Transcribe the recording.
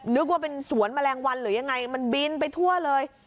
นึกว่าเป็นสวนแมลงวันหรือยังไงมันบินไปทั่วเลย